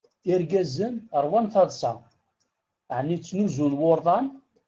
Irgazen ṛwan taḍsa. ɛni ttnuzun wurḍan?